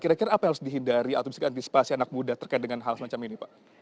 kira kira apa yang harus dihindari atau bisa diantisipasi anak muda terkait dengan hal semacam ini pak